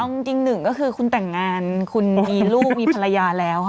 เอาจริงหนึ่งก็คือคุณแต่งงานคุณมีลูกมีภรรยาแล้วค่ะ